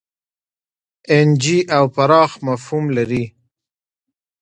اېن جي او پراخ مفهوم لري.